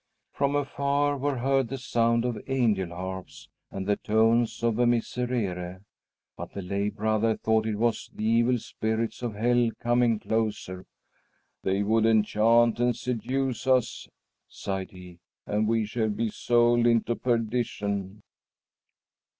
From afar were heard the sound of angel harps and the tones of a Miserere. But the lay brother thought it was the evil spirits of hell coming closer. "They would enchant and seduce us," sighed he, "and we shall be sold into perdition."